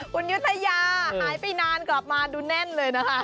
คุณยุธยาหายไปนานกลับมาดูแน่นเลยนะคะ